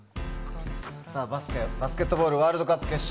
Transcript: バスケットボールワールドカップ決勝。